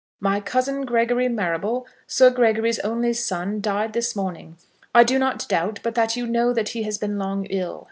My cousin, Gregory Marrable, Sir Gregory's only son, died this morning. I do not doubt but that you know that he has been long ill.